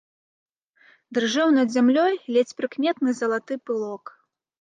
Дрыжэў над зямлёй ледзь прыкметны залаты пылок.